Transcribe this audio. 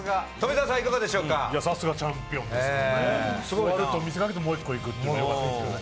さすがチャンピオンですね終わると見せかけてもう１個いくっていうのがいいですね。